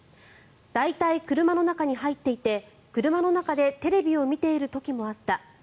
大体、車の中に入っていて車の中でテレビを見ている時もあった。